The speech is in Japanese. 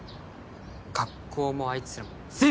学校もあいつらも全部むかつく！